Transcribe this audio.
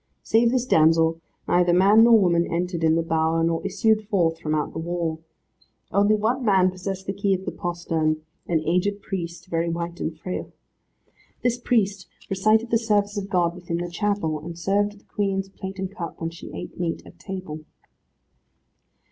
Save this damsel, neither man nor woman entered in the bower, nor issued forth from out the wall. One only man possessed the key of the postern, an aged priest, very white and frail. This priest recited the service of God within the chapel, and served the Queen's plate and cup when she ate meat at table.